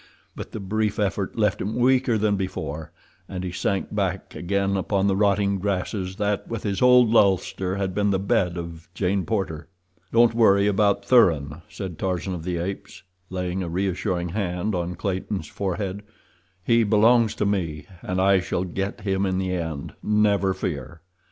But the brief effort left him weaker than before, and he sank back again upon the rotting grasses that, with his old ulster, had been the bed of Jane Porter. "Don't worry about Thuran," said Tarzan of the Apes, laying a reassuring hand on Clayton's forehead. "He belongs to me, and I shall get him in the end, never fear."